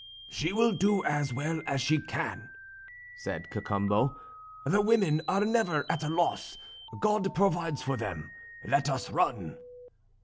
"She will do as well as she can," said Cacambo; "the women are never at a loss, God provides for them, let us run."